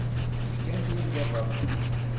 Cwi kan tirga baṭel!